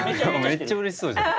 めっちゃうれしそうじゃん。